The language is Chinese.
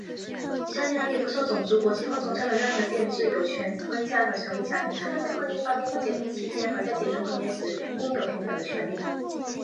成年男女,不受种族、国籍或宗教的任何限制有权婚嫁和成立家庭。他们在婚姻方面,在结婚期间和在解除婚约时,应有平等的权利。